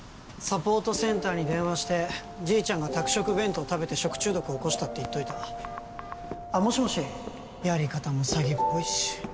サポートセンターに電話して「じいちゃんが宅食弁当食べて食中毒起こした」って言っといたあっもしもしやり方も詐欺っぽいし